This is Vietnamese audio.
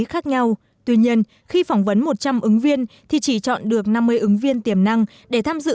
khác nhau tuy nhiên khi phỏng vấn một trăm linh ứng viên thì chỉ chọn được năm mươi ứng viên tiềm năng để tham dự